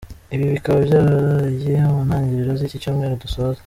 Ibi bikaba byarabaye mu ntangiriro z’iki cyumweru dusoza.